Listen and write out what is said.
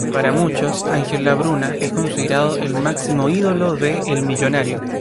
Para muchos, Ángel Labruna es considerado el máximo ídolo de El Millonario.